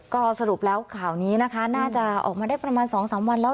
ก็สรุปแล้วข่าวนี้นะคะน่าจะออกมาได้ประมาณ๒๓วันแล้ว